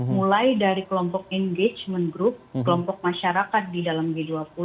mulai dari kelompok engagement group kelompok masyarakat di dalam g dua puluh